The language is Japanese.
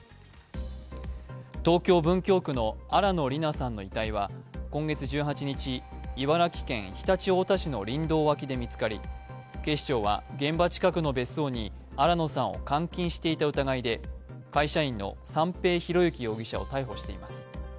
東京・文京区の新野りなさんの遺体は今月１８日、茨城県常陸太田市の林道脇で見つかり警視庁は、現場近くの別荘に新野さんを監禁していた疑いで会社員の三瓶博幸容疑者を逮捕しています。